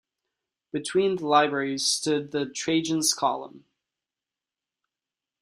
Between the libraries stood the Trajan's Column.